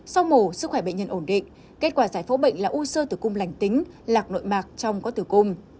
sau mổ sức khỏe bệnh nhân ổn định kết quả giải phẫu bệnh là u sơ tử cung lành tính lạc nội mạc trong có tử cung